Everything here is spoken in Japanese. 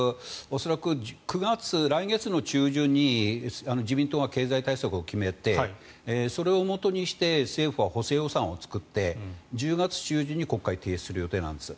恐らく来月中旬に自民党が経済対策を決めてそれをもとにして政府は補正予算を作って１０月中旬に国会に提出する予定なんです。